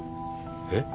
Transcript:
えっ？